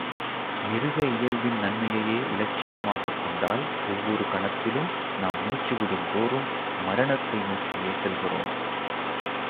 மிருக இயல்பின் நன்மையையே இலட்சியமாகக் கொண்டால், ஒவ்வொரு கணத்திலும், நாம் மூச்சு விடுந்தோறும், மரணத்தை நோக்கியே செல்கிறோம்.